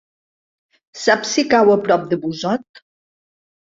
Saps si cau a prop de Busot?